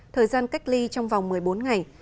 thời gian cách ly trong vòng một mươi bốn ngày